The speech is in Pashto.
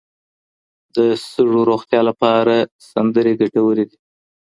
د سږو روغتیا لپاره سندرې ګټورې دي.